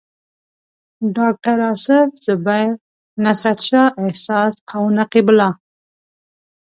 ډاکټر اصف زبیر، نصرت شاه احساس او نقیب الله.